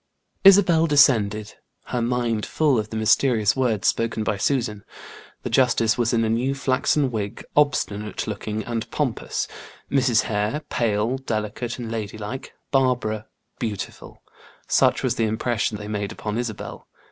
Isabel descended, her mind full of the mysterious words spoken by Susan. The justice was in a new flaxen wig, obstinate looking and pompous; Mrs. Hare, pale, delicate, and lady like; Barbara beautiful; such was the impression they made upon Isabel.